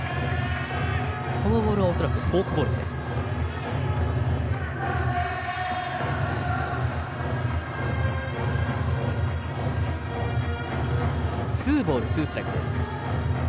このボールは恐らくフォークボールです。